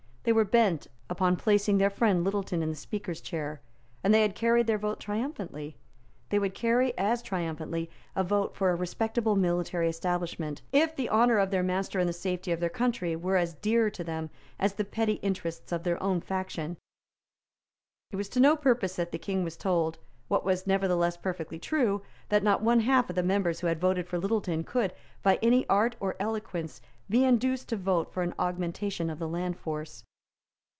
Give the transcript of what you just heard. They were bent upon placing their friend Littleton in the Speaker's chair; and they had carried their point triumphantly. They would carry as triumphantly a vote for a respectable military establishment if the honour of their master and the safety of their country were as dear to them as the petty interests of their own faction. It was to no purpose that the King was told, what was nevertheless perfectly true, that not one half of the members who had voted for Littleton, could, by any art or eloquence, be induced to vote for an augmentation of the land force.